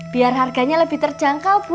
biar harganya lebih terjangkau bu